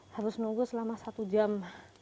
harus nunggu selama satu jam